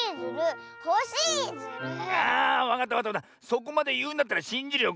そこまでいうんだったらしんじるよ。